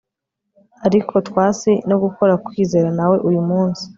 Ariko twas no gukorakwizera nawe uyu munsi